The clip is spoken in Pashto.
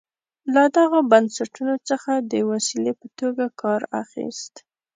له دغو بنسټونو څخه د وسیلې په توګه کار اخیست.